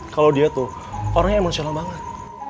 kalau dia tuh orang yang manusia lama banget